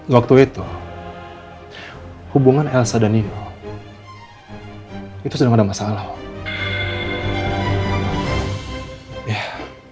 waktu itu hubungan elsa dan niro itu sedang ada masalah